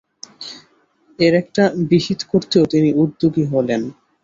এর একটা বিহিত করতেও তিনি উদ্যোগী হলেন।